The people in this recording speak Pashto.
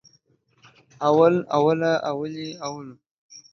اول، اوله، اولې، اولو